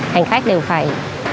hành khách đều phải